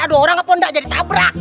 aduh orang apa enggak jadi tabrak